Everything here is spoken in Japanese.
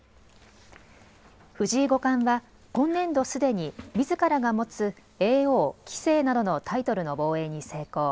藤井五冠は今年度すでにみずからが持つ叡王、棋聖などのタイトルの防衛に成功。